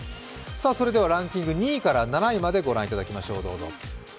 それではランキング２位から７位までご覧いただきましょう。